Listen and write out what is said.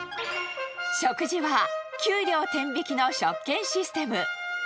食事は、給料天引きの食券システム。